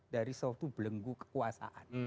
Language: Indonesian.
dari suatu belenggu kekuasaan